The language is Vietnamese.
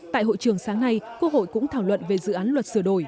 tại hội trường sáng nay quốc hội cũng thảo luận về dự án luật sửa đổi